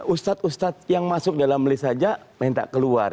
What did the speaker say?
ustadz ustadz yang masuk dalam list saja minta keluar